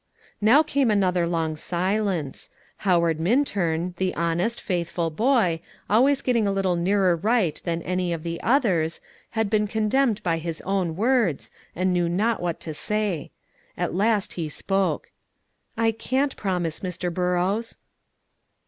Now came another long silence. Howard Minturn, the honest, faithful boy, always getting a little nearer right than any of the others, had been condemned by his own words, and knew not what to say. At last he spoke: "I can't promise, Mr. Burrows."